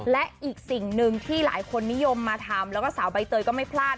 และอีกสิ่งหนึ่งที่หลายคนนิยมมาทำแล้วก็สาวใบเตยก็ไม่พลาด